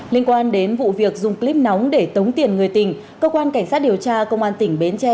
liên quan đến vụ việc dùng clip nóng để tống tiền người tình cơ quan cảnh sát điều tra công an tỉnh bến tre